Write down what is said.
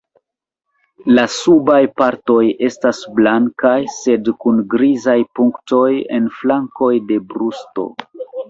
La subaj partoj estas blankaj, sed kun grizaj punktoj en flankoj de brusto.